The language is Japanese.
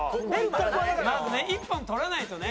まずね１本取らないとね。